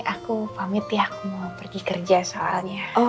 aku pamit ya aku mau pergi kerja soalnya